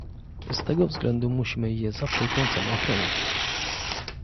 Z tego względu musimy je za wszelką cenę chronić!